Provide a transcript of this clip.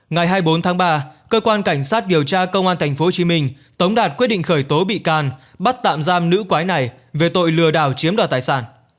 ngày hai mươi bốn tháng ba cơ quan cảnh sát điều tra công an tp hcm tống đạt quyết định khởi tố bị can bắt tạm giam nữ quái này về tội lừa đảo chiếm đoạt tài sản